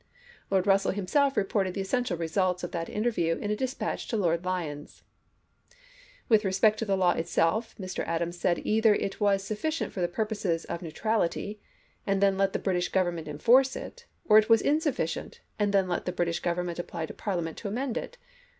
Lord Russell himself reported the essential results of that interview in a dispatch to Lord Lyons: " With respect to the law itself, Mr. Adams said either it was sufficient for the purposes of neutral ity, and then let the British Government enforce it, or it was insufficient, and then let the British Gov ernment apply to Parliament to amend it.